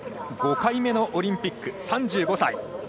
５回目のオリンピック、３５歳。